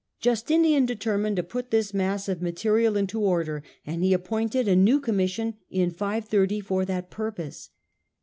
Justinian determined to put this mass of material into order, and he appointed a new commission in 530 for that purpose.